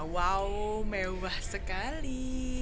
wow mewah sekali